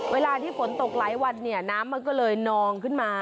เวลาที่ฝนตกหลายวันเนี่ยน้ำมันก็เลยนองขึ้นมา